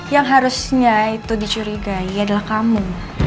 yang harusnya itu dicurigai adalah kamu